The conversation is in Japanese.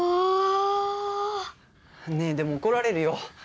ねえでも怒られるよ。